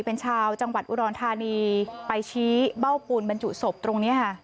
เป็นชาวจังหวัดอุดรธานีไปชี้เบ้าปูนบรรจุศพตรงนี้ค่ะ